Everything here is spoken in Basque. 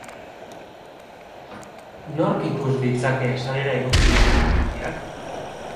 Nork ikus ditzake sarera igotzen ditugun irudiak?